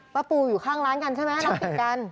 ปูอยู่ข้างร้านกันใช่ไหมร้านติดกัน